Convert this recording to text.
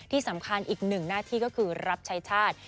ที่สำคัญอีกหนึ่งหน้าที่ก็คือรับชายชาติ